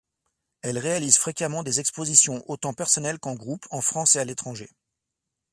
Elle réalise fréquemment des expositions autant personnelles qu'en groupe, en France et à l'étranger.